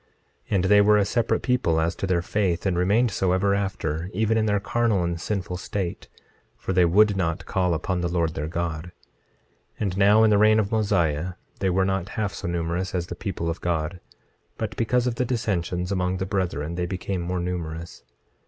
And they were a separate people as to their faith, and remained so ever after, even in their carnal and sinful state; for they would not call upon the Lord their God. 26:5 And now in the reign of Mosiah they were not half so numerous as the people of God; but because of the dissensions among the brethren they became more numerous.